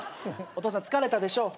お父さん疲れたでしょう。